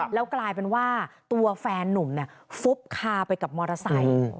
แล้วกลายเป็นว่าตัวแฟนนุ่มฟุบคาไปกับมอเตอร์ไซค์